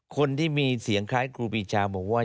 คนที่มีเสียงคล้ายครูปีชาบอกว่า